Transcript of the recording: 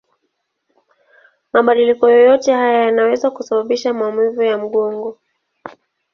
Mabadiliko yoyote haya yanaweza kusababisha maumivu ya mgongo.